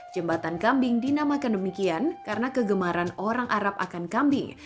jembatan kambing dinamakan demikian karena kegemaran orang arab akan kambing